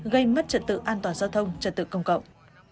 gây mất trật tự an toàn giao thông trật tự công cộng